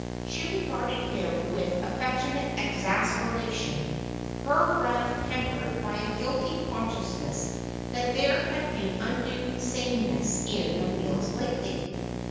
She regarded him with affectionate exasperation, her wrath tempered by a guilty consciousness that there had been undue sameness in the meals lately.